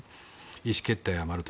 意思決定を誤ると。